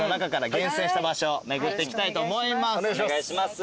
お願いします。